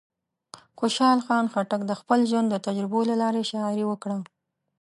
خوشحال خان خټک د خپل ژوند د تجربو له لارې شاعري وکړه.